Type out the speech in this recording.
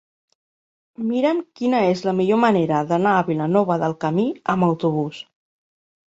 Mira'm quina és la millor manera d'anar a Vilanova del Camí amb autobús.